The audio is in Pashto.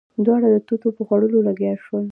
دواړه د توتو په خوړلو لګيا شول.